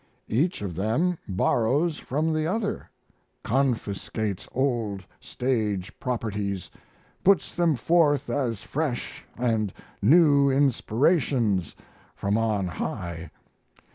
Each of them borrows from the other, confiscates old stage properties, puts them forth as fresh and new inspirations from on high.